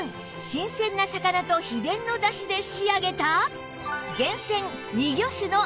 新鮮な魚と秘伝のだしで仕上げた